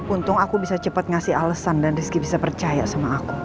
untung aku bisa cepat ngasih alesan dan rizky bisa percaya sama aku